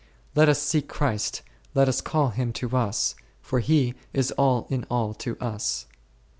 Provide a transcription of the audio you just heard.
Let us seek Christ, let us call Him to us, for He is all in all to us.